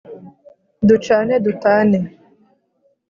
ducane dutane!